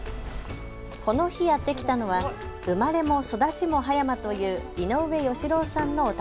この日、やって来たのは生まれも育ちも葉山という井上義郎さんのお宅。